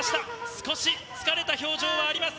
少し疲れた表情があります。